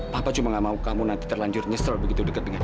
papa cuma gak mau kamu nanti terlanjur nyesel begitu dekat dengan itu